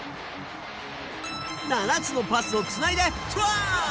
７つのパスをつないでトライ。